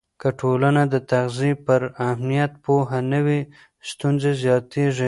که ټولنه د تغذیې پر اهمیت پوهه نه وي، ستونزې زیاتېږي.